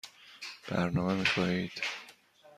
برنامه می خواهید؟